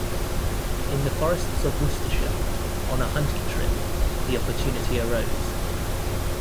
In the Forests of Worcestershire, on a hunting trip, the opportunity arose.